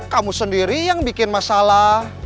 kamu sendiri yang bikin masalah